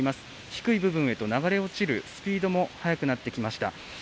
低い部分へと流れ落ちるスピードも速くなってきました。